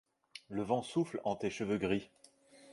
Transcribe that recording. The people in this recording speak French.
Le vent souffle en tes cheveux gris.